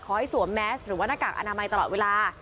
สวมแมสหรือว่าหน้ากากอนามัยตลอดเวลา